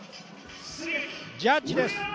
ジャッジです！